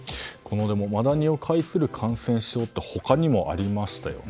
マダニを介する感染症って他にもありましたよね。